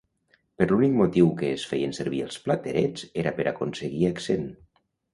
Per l'únic motiu que es feien servir els platerets era per aconseguir accent.